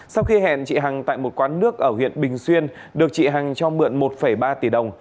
sau khi hẹn chị hằng tại một quán nước ở huyện bình xuyên được chị hằng cho mượn một ba tỷ đồng